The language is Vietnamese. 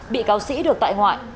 bị cáo sĩ được tại ngoại